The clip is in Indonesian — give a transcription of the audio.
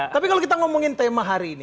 tapi kalau kita ngomongin tema hari ini